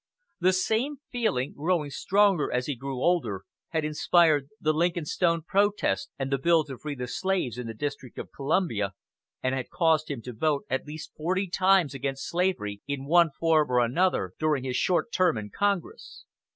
The same feeling, growing stronger as he grew older, had inspired the Lincoln Stone protest and the bill to free the slaves in the District of Columbia, and had caused him to vote at least forty times against slavery in one form or another during his short term in Congress.